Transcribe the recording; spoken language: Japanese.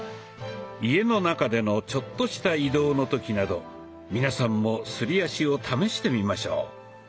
家の中でのちょっとした移動の時など皆さんもすり足を試してみましょう。